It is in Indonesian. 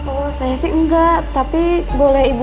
oh saya sih enggak tapi boleh ibu tanya ke ibu